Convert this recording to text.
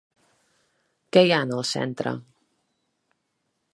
Què hi ha en el centre?